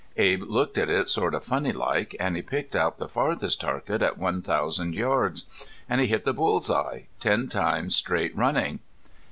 Abe looked at it sort of funny like and he picked out the farthest target at one thousand yards. And he hit the bull's eye ten times straight running.